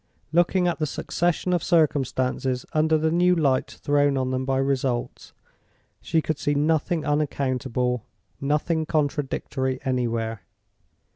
Looking at the succession of circumstances under the new light thrown on them by results, she could see nothing unaccountable, nothing contradictory anywhere.